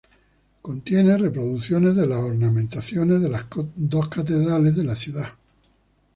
Contiene reproducciones de las ornamentaciones de las dos catedrales de la ciudad.